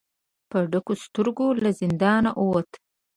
په ډکو سترګو له زندانه ووت.